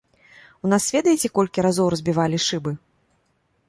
У нас ведаеце, колькі разоў разбівалі шыбы?